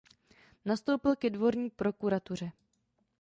Nastoupil ke dvorní prokuratuře.